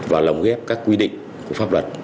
và lồng ghép các quy định của pháp luật